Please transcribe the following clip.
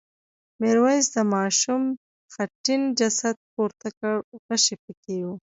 میرويس د ماشوم خټین جسد پورته کړ غشی پکې و.